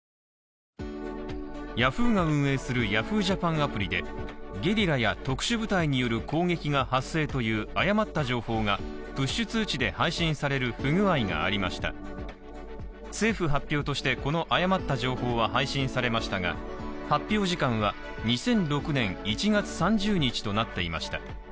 アプリでゲリラや特殊部隊による攻撃が発生という誤った情報がプッシュ通知で配信される不具合がありました政府発表としてこの誤った情報は配信されましたが、発表時間は２００６年１月３０日となっていました。